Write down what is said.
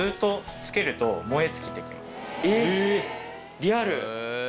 リアル！